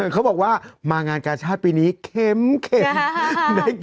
เขาบอกว่ามางานการ์ชาร์ดปีนี้เข็มเข็ม